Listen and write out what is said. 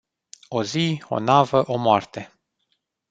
O zi, o navă, o moarte.